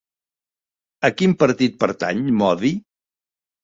A quin partit pertany Modi?